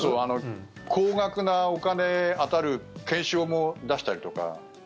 高額なお金が当たる懸賞も出したりとか。